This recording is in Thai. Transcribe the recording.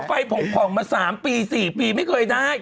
ขอไฟผ่องมา๓๔ปีไม่เคยได้